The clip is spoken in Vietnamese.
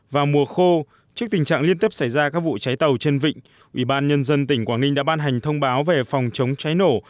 vào mùa khô trước tình trạng liên tiếp xảy ra các vụ cháy tàu trên vịnh ủy ban nhân dân tỉnh quảng ninh đã ban hành thông báo về phòng chống cháy nổ